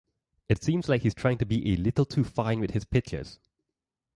It seems like he's trying to be a little too fine with his pitches.